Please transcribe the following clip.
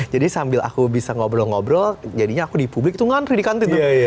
jadi sambil aku bisa ngobrol ngobrol jadinya aku di publik tuh ngantri di kantin tuh